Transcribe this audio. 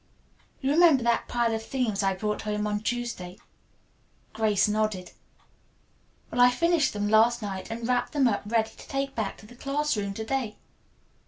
You remember that pile of themes I brought home on Tuesday?" Grace nodded. "Well, I finished them last night and wrapped them up ready to take back to the classroom to day.